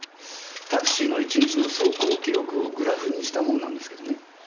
タクシーの１日の走行記録をグラフにしたものなんですけどね。